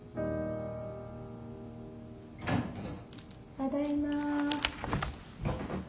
・・ただいま。